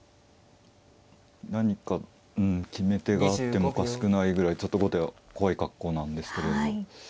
何か決め手があってもおかしくないぐらいちょっと後手は怖い格好なんですけど。